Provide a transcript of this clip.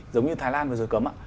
giống như thái lan vừa rồi cấm